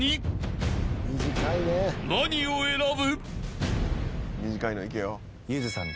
［何を選ぶ？］